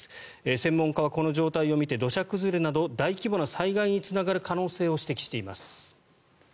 専門家はこの状態を見て土砂崩れなど大規模な災害につながる可能性を指摘しています。